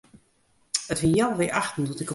It wie healwei achten doe't ik op 'e fyts stapte.